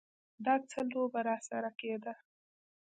دا څه لوبه راسره کېده.